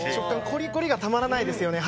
コリコリがたまらないですよね。